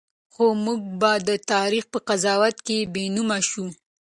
خو موږ به د تاریخ په قضاوت کې بېنومه شو.